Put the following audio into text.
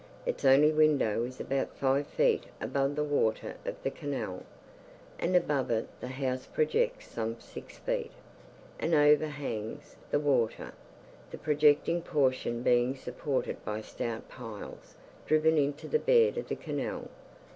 Its only window is about five feet above the water of the canal, and above it the house projects some six feet, and overhangs the water, the projecting portion being supported by stout piles driven into the bed of the canal.